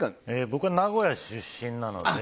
僕は名古屋出身なので。